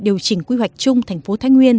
điều chỉnh quy hoạch chung thành phố thái nguyên